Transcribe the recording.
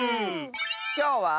きょうは。